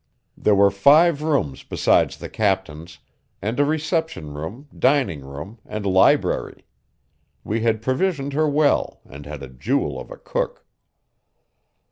There were five rooms besides the captain's, and a reception room, dining room, and library. We had provisioned her well, and had a jewel of a cook.